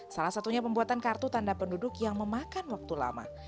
salah satunya pembuatan kartu tanda penduduk yang memakan waktu lama